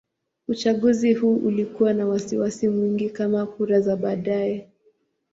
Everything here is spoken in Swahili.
Uchaguzi huu ulikuwa na wasiwasi mwingi kama kura za baadaye.